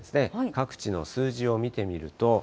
各地の数字を見てみると。